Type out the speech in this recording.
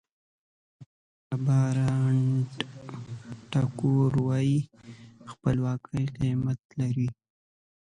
رابندراناټ ټاګور وایي خپلواکي قیمت لري.